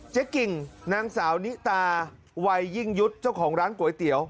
กิ่งนางสาวนิตาวัยยิ่งยุทธ์เจ้าของร้านก๋วยเตี๋ยว